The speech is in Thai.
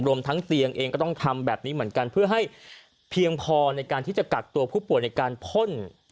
รวมทั้งเตียงเองก็ต้องทำแบบนี้เหมือนกันเพื่อให้เพียงพอในการที่จะกักตัวผู้ป่วยในการพ่น